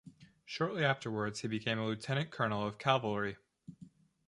Shortly afterwards he became a lieutenant-colonel of cavalry.